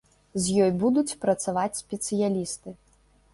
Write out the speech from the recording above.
З ёй будуць працаваць спецыялісты.